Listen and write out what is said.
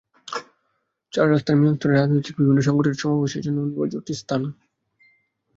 চার রাস্তার মিলনস্থলে রাজনৈতিকসহ বিভিন্ন সংগঠনের সভা-সমাবেশের জন্য অনিবার্য একটি স্থান।